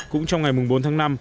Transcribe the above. cũng trong ngày bốn tháng năm